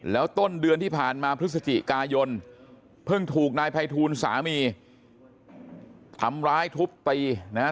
แล้วต้นเดือนที่ผ่านมาพฤศจิกายนเพิ่งถูกนายภัยทูลสามีทำร้ายทุบตีนะฮะ